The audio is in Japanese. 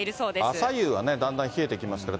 朝夕はね、だんだん冷えてきますから。